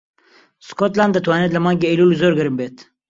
سکۆتلاند دەتوانێت لە مانگی ئەیلوول زۆر گەرم بێت.